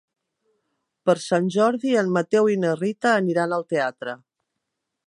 Per Sant Jordi en Mateu i na Rita aniran al teatre.